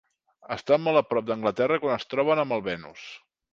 Estan molt a prop d'Anglaterra quan es troben amb el "Venus".